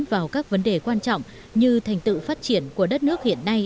vào các vấn đề quan trọng như thành tựu phát triển của đất nước hiện nay